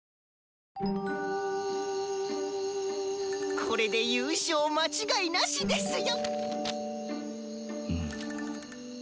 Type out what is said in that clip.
これで優勝間違いなしですよ！